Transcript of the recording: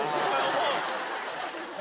もう。